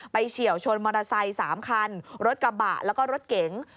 เฉียวชนมอเตอร์ไซค์๓คันรถกระบะแล้วก็รถเก๋ง